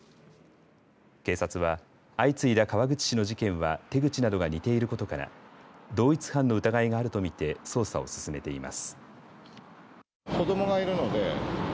警察は相次いだ川口市の事件は手口などが似ていることから同一犯の疑いがあると見て捜査を進めています。